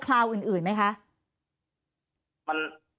ข่าวอื่นไหมคะ